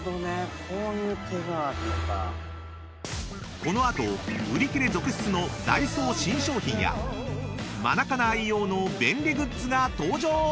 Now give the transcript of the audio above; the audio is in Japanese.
［この後売り切れ続出のダイソー新商品やマナカナ愛用の便利グッズが登場］